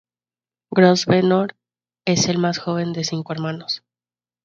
Grosvenor es el más joven de cinco hermanos.